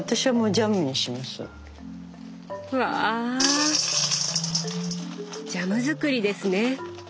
ジャム作りですね。